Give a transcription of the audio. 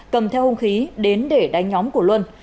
cầm theo hung khí đến để đánh nhóm của luân